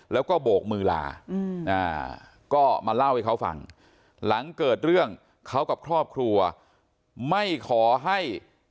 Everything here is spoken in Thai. แล้วก็โบกมือลาก็มาเล่าให้เขาฟังหลังเกิดเรื่องเขากับครอบครัวไม่ขอให้